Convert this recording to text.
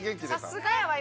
さすがやわ。